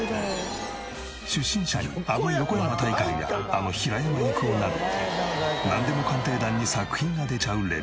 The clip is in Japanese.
出身者にあの横山大観やあの平井郁夫など『なんでも鑑定団』に作品が出ちゃうレベル。